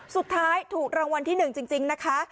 สุดท้ายถูกรางวัลที่๑จริงนะคะ